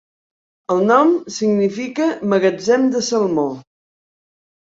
El nom significa "magatzem de salmó".